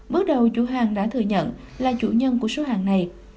bước đầu chủ hàng đã thừa nhận là chủ nhân của số hàng này